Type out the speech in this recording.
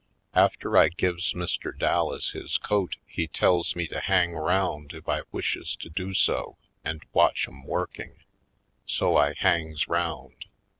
After I gives Mr. Dallas his coat he tells me to hang round if I wishes to do so and watch 'em working. So I hangs round.